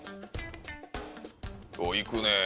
行くねぇ。